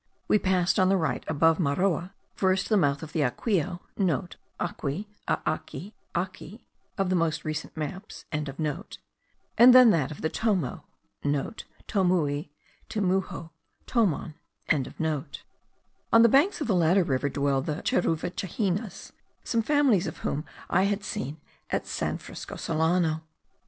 We passed on the right, above Maroa, first the mouth of the Aquio* (Aqui, Aaqui, Ake, of the most recent maps.), then that of the Tomo.* (* Tomui, Temujo, Tomon.) On the banks of the latter river dwell the Cheruvichahenas, some families of whom I have seen at San Francisco Solano.